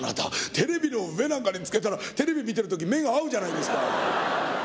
テレビの上なんかにつけたらテレビ見てるとき目が合うじゃないですか」。